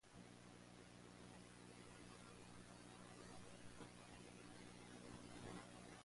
The legume genus "Hoffmannseggia" is named for him.